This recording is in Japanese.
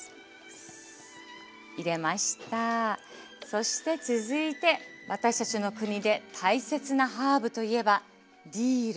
そして続いて私たちの国で大切なハーブといえばディル。